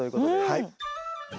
はい。